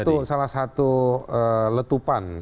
itu salah satu letupan